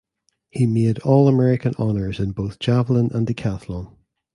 He made All American honors in both javelin and decathlon.